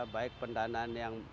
baik pendanaan yang